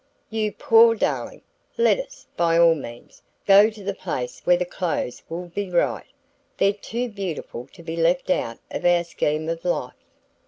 "You poor darling! Let us, by all means, go to the place where the clothes will be right: they're too beautiful to be left out of our scheme of life."